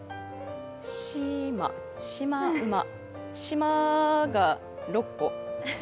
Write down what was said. しーま、しまうま、島が６個。